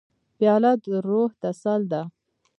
پیاله د روح تسل ده.